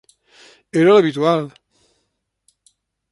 Era l'habitual.